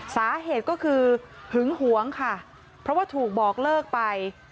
สาเหตุก็คือหึงหวงค่ะเพราะว่าถูกบอกเลิกไป